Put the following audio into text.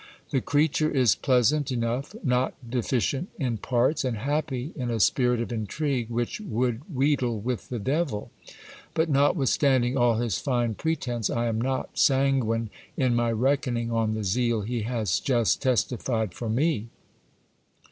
The creature is pleasant enough, not deficient in parts, and happy in a spirit of intrigue which would wheedle with the devil. But notwithstanding all his fine pretence, I am not sanguine in my reckoning on the zeal he has just testified for me.